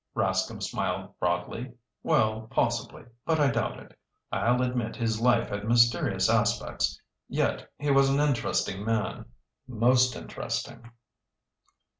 Rascomb smiled broadly. "Well, possibly, but I doubt it. I'll admit his life had mysterious aspects. Yet he was an interesting man, most interesting."